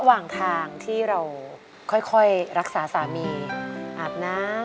เปลี่ยนเพลงเพลงเก่งของคุณและข้ามผิดได้๑คำ